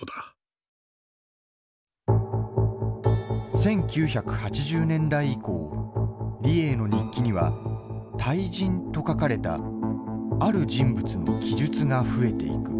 １９８０年代以降李鋭の日記には「大人」と書かれたある人物の記述が増えていく。